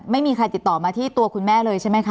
ไม่มีใครติดต่อมาที่ตัวคุณแม่เลยใช่ไหมคะ